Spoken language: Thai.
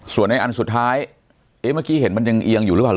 ส่วนในอันสุดท้ายเอ๊ะเมื่อกี้เห็นมันยังเอียงอยู่หรือเปล่า